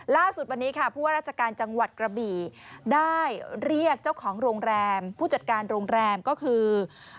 ล่าสุดวันนี้ค่ะผู้ว่าราชการจังหวัดกระบี่ได้เรียกเจ้าของโรงแรมผู้จัดการโรงแรมก็คือ